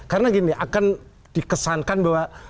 karena gini akan dikesankan bahwa